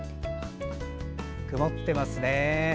曇ってますね。